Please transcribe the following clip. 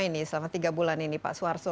ini selama tiga bulan ini pak suharto